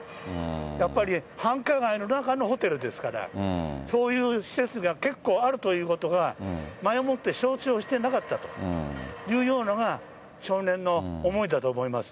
やっぱり繁華街の中のホテルですから、そういう施設が結構あるということが、前もって承知をしていなかったというようなのが、少年の思いだと思います。